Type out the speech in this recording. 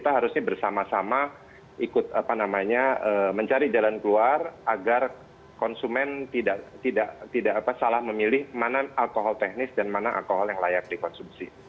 kita harusnya bersama sama ikut mencari jalan keluar agar konsumen tidak salah memilih mana alkohol teknis dan mana alkohol yang layak dikonsumsi